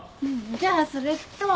じゃあそれと。